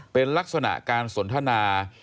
เป็นลักษณะการสนทนา